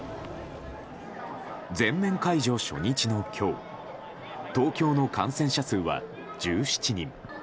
全面解除初日の今日東京の感染者数は１７人。